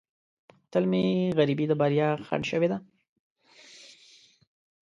تل مې غریبۍ د بریا خنډ شوې ده.